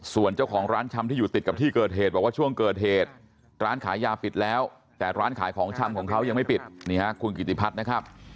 ส่วนเจ้าของร้านชำที่อยู่ติดกับที่เกิดเหตุบอกว่าช่วงเกิดเหตุร้านขายยาปิดแล้วแต่ร้านขายของชำของเขายังไม่ปิดนี่ฮะคุณกิติพัฒน์นะครับ